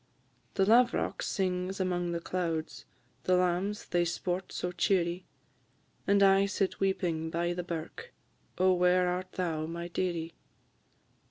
The lav'rock sings among the clouds, The lambs they sport so cheerie, And I sit weeping by the birk: O where art thou, my dearie?